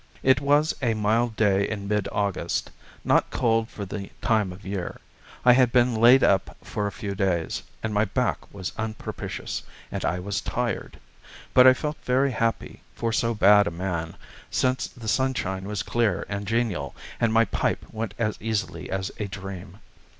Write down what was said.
It was a mild day in mid August, not cold for the time of year. I had been laid up for a few days, and my back was unpropitious, and I was tired. But I felt very happy, for so bad a man, since the sunshine was clear and genial, and my pipe went as easily as a dream.